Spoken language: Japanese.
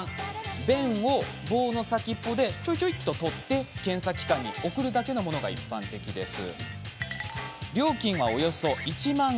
便を棒の先っぽでちょいちょいっと採って検査機関に送るだけのものが一般的です